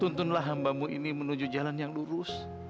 tuntunlah hambamu ini menuju jalan yang lurus